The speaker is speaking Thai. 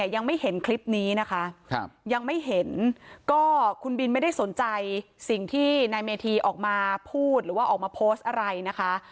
ยังไม่เห็นก็คุณบินไม่ได้สนใจสิ่งที่นายเมธีออกมาพูดหรือว่าออกมาโพสต์อะไรนะคะ